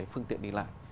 phương tiện đi lại